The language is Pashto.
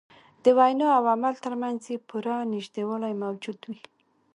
د وینا او عمل تر منځ یې پوره نژدېوالی موجود وي.